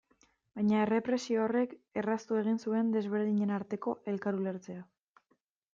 Baina errepresio horrek erraztu egin zuen desberdinen arteko elkar ulertzea.